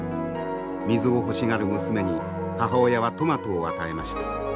水を欲しがる娘に母親はトマトを与えました。